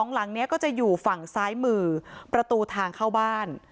หลังนี้ก็จะอยู่ฝั่งซ้ายมือประตูทางเข้าบ้าน